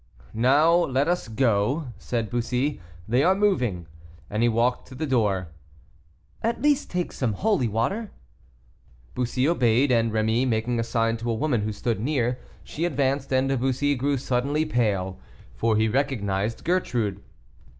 "Now let us go," said Bussy; "they are moving;" and he walked to the door. "At least take some holy water." Bussy obeyed, and Rémy making a sign to a woman who stood near, she advanced, and Bussy grew suddenly pale, for he recognized Gertrude.